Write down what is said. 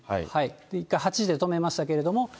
一回、８時で止めましたけども。